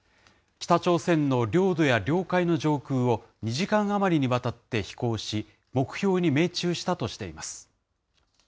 北朝鮮の領土や領海の上空を２時間余りにわたって飛行し、目標に命中したとしています。